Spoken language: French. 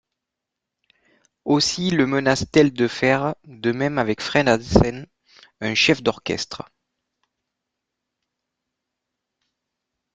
Aussi le menace-t-elle de faire de même avec Fred Hansen, un chef d'orchestre.